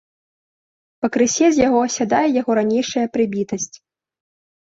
Пакрысе з яго асядае яго ранейшая прыбітасць.